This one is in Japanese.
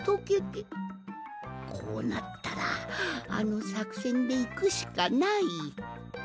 こうなったらあのさくせんでいくしかない！